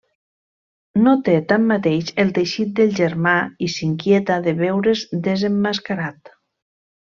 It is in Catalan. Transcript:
No té tanmateix el teixit del germà i s'inquieta de veure's desemmascarat.